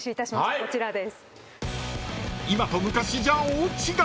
こちらです。